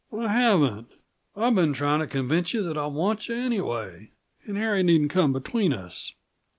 "I haven't. I've been trying to convince you that I want you, anyway, and Harry needn't come between us."